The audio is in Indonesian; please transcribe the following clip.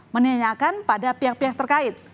menanyakan pada pihak pihak terkait